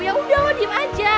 ya udah lo diem aja